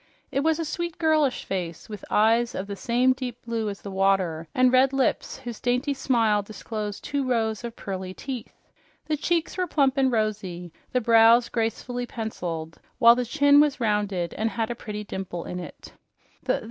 It was a sweet, girlish face with eyes of the same deep blue as the water and red lips whose dainty smile disposed two rows of pearly teeth. The cheeks were plump and rosy, the brows gracefully penciled, while the chin was rounded and had a pretty dimple in it.